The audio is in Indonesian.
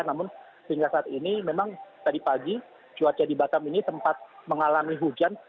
namun hingga saat ini memang tadi pagi cuaca di batam ini sempat mengalami hujan